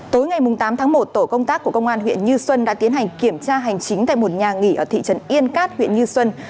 tối ngày tám tháng một tổ công tác của công an huyện như xuân đã tiến hành kiểm tra hành chính tại một nhà nghỉ ở thị trấn yên cát huyện như xuân